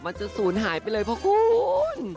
มันจะศูนย์หายไปเลยเพราะคุณ